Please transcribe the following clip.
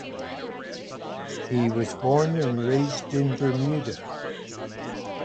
He was born and raised in Bermuda.